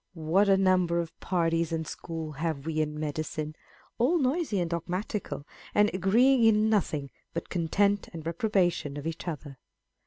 What a number of parties and schools have we in medicine, â€" all noisy and dogmatical, and agreeing in nothing but contempt and reprobation of each other